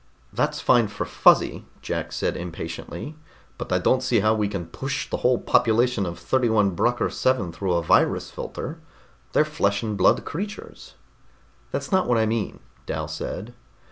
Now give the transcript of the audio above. "That's fine for Fuzzy," Jack said impatiently, "but I don't see how we can push the whole population of 31 Brucker VII through a virus filter. They're flesh and blood creatures." "That's not what I mean," Dal said.